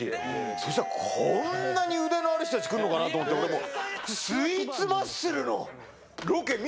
そしたらこんなに腕のある人たち来るのかなと思って俺もう。